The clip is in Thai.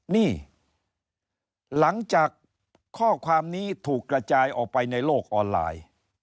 นี่หลังจากข้อความนี้ถูกกระจายออกไปในโลกออนไลน์